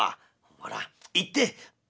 「ほら言って」。